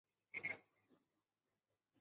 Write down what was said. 他们的孩子最初被带到城市福利院。